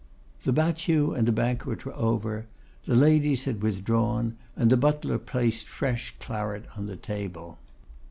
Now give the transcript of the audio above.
The battue and the banquet were over; the ladies had withdrawn; and the butler placed fresh claret on the table.